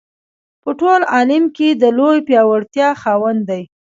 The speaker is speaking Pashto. په ټول عالم کې د لویې پیاوړتیا خاوند دی.